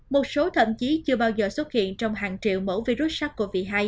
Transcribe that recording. một số thậm chí chưa bao giờ xuất hiện trong hàng triệu mẫu virus sars cov hai